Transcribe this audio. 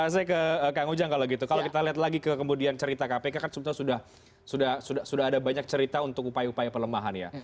saya ke kak ujang kalau kita lihat kemudian ke cerita kpk kan sudah ada banyak cerita untuk upaya upaya perlemahan ya